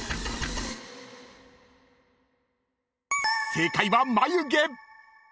［正解は眉毛］